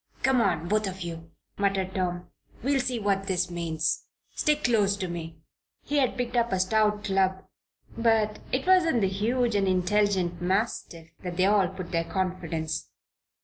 "Come on both of you!" muttered Tom. "We'll see what this means. Stick close to me." He had picked up a stout club; but it was in the huge and intelligent mastiff that they all put their confidence.